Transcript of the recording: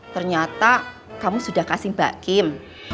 ternyata kamu sudah kasih mbak kim